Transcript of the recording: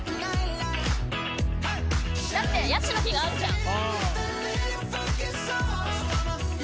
だってヤシの木があるじゃん。